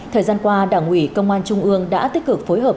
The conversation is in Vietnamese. thời gian qua đảng ủy công an trung ương đã tích cực phối hợp